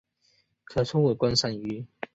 可做为观赏鱼。